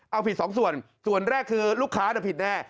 เอาผิดสองส่วนส่วนแรกคือลูกค้าผิดแน่